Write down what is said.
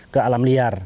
ke alam liar